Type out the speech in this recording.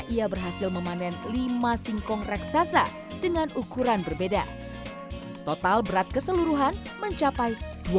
ia berhasil memanen lima singkong raksasa dengan ukuran berbeda total berat keseluruhan mencapai